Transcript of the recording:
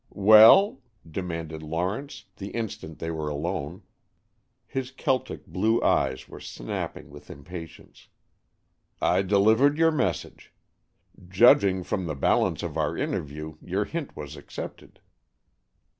"Well?" demanded Lawrence, the instant they were alone. His Celtic blue eyes were snapping with impatience. "I delivered your message. Judging from the balance of our interview, your hint was accepted."